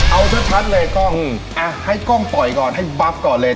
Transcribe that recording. เอาชัดเลยกล้องอ่ะให้กล้องต่อยก่อนให้บับก่อนเลย